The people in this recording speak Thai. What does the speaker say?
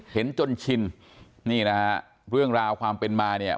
เห็นจนชินนี่นะฮะเรื่องราวความเป็นมาเนี่ย